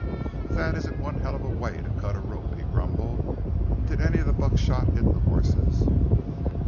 "If that isn't one hell of a way to cut a rope!" he grumbled. "Did any of the buckshot hit the horses?"